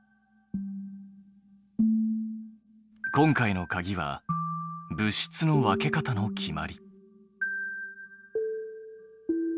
今回のかぎは物質の分け方の決まり。